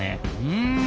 うん。